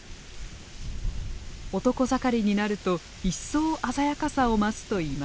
男盛りになると一層鮮やかさを増すといいます。